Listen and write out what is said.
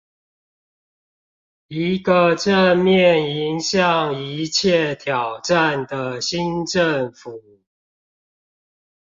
一個正面迎向一切挑戰的新政府